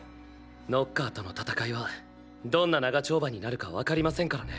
ノッカーとの戦いはどんな長丁場になるかわかりませんからね。